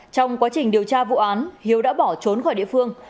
trong quá trình điều tra vụ án hiếu đã bỏ trốn khỏi địa phương